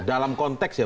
dalam konteks ya